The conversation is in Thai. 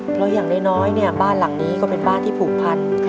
เพราะอย่างน้อยเนี่ยบ้านหลังนี้ก็เป็นบ้านที่ผูกพัน